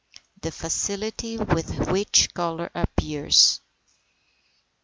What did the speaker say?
THE FACILITY WITH WHICH COLOUR APPEARS.